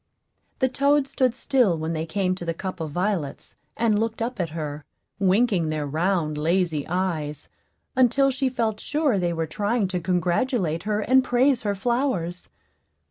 The toads stood still when they came to the cup of violets, and looked up at her, winking their round, lazy eyes, until she felt sure they were trying to congratulate her and praise her flowers.